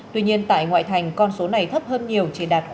tuy nhiên tại ngoại thành con số này thấp hơn nhiều